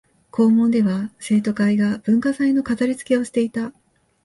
校門では生徒会が文化祭の飾りつけをしていた